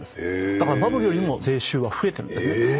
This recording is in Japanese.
だからバブルよりも税収は増えてるんですね。